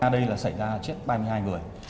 đây là xảy ra chết ba mươi hai người